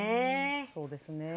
そうですね。